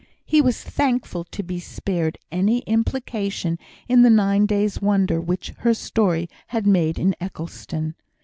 He was thankful to be spared any implication in the nine days' wonder which her story had made in Eccleston.